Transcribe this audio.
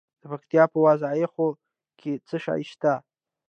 د پکتیکا په وازیخوا کې څه شی شته؟